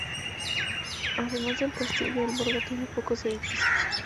Además del castillo, el borgo tiene pocos edificios.